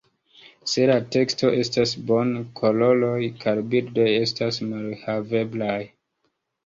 Se la teksto estas bona, koloroj kaj bildoj estas malhaveblaj.